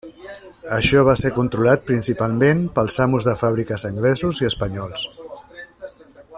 Això va ser controlat principalment pels amos de fàbriques anglesos i espanyols.